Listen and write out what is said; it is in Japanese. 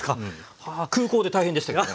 空港で大変でしたけどね。